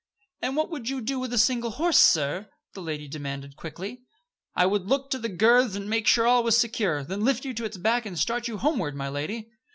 "And, what would you do with a single horse, sir?" the lady demanded, quickly. "I would look to the girths, make sure all was secure, then lift you to its back and start you homeward, my lady."